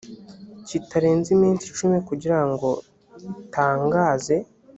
kitarenze iminsi cumi kugira ngo itangaze